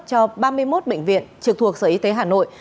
cho ba mươi một bệnh viện trực thuộc sở y tế hà nội